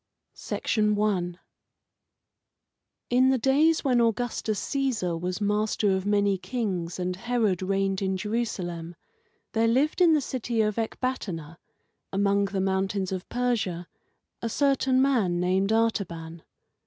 I In the days when Augustus Caesar was master of many kings and Herod reigned in Jerusalem, there lived in the city of Ecbatana, among the mountains of Persia, a certain man named Artaban.